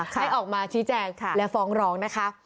ให้ออกมาชี้แจงและฟ้องร้องนะคะ